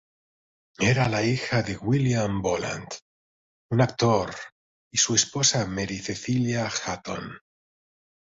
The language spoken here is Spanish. Era la hija de William Boland, un actor, y su esposa Mary Cecilia Hatton.